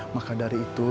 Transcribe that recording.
maka dari itu